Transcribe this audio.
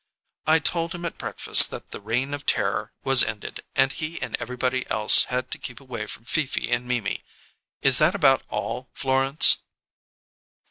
"I told him at breakfast that the Reign of Terror was ended, and he and everybody else had to keep away from Fifi and Mimi. Is that about all, Florence?"